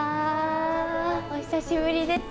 お久しぶりです。